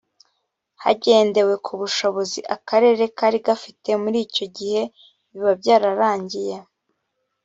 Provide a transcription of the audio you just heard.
hagendewe ku bushobozi akarere kari gafite muri icyo gihe biba byararangiye